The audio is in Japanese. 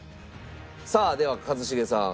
さあでは一茂さん。